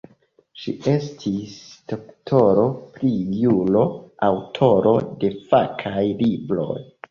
Ŝi estis doktoro pri juro, aŭtoro de fakaj libroj.